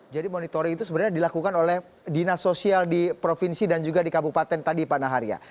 jadi monitoring itu sebenarnya dilakukan oleh dinas sosial di provinsi dan juga di kabupaten tadi pak nahar ya